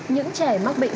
những trẻ mắc bệnh